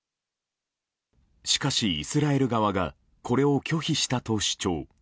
しかし、イスラエル側がこれを拒否したと主張。